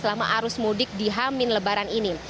selama arus mudik di hamin lebaran ini